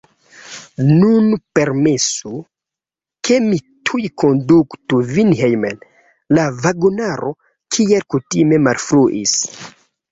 Nun permesu, ke mi tuj konduku vin hejmen; la vagonaro, kiel kutime, malfruiĝis.